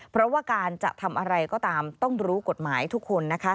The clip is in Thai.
เพราะว่าการจะทำอะไรก็ตามต้องรู้กฎหมายทุกคน